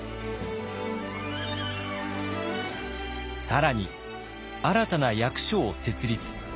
更に新たな役所を設立。